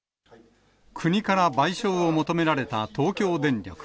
国から賠償を求められた東京電力。